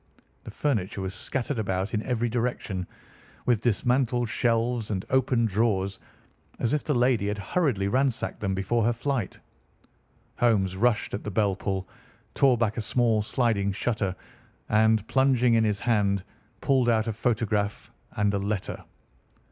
The furniture was scattered about in every direction, with dismantled shelves and open drawers, as if the lady had hurriedly ransacked them before her flight. Holmes rushed at the bell pull, tore back a small sliding shutter, and, plunging in his hand, pulled out a photograph and a letter.